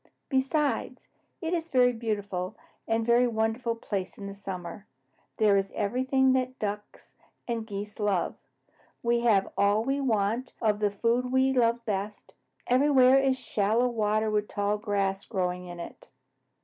Besides, it is a very beautiful and a very wonderful place in summer. There is everything that Ducks and Geese love. We have all we want of the food we love best. Everywhere is shallow water with tall grass growing in it."